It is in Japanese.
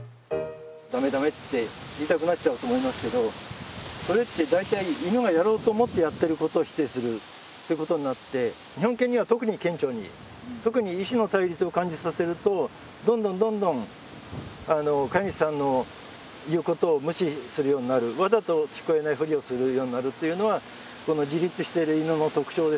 駄目駄目って言いたくなっちゃうと思いますけどそれって大体犬がやろうと思ってやってることを否定するってことになって日本犬には特に顕著に特に意思の対立を感じさせるとどんどんどんどん飼い主さんの言うことを無視するようになるわざと聞こえないふりをするようになるっていうのは自立してる犬の特徴ですので。